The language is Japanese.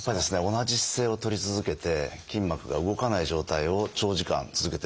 同じ姿勢をとり続けて筋膜が動かない状態を長時間続けてる人。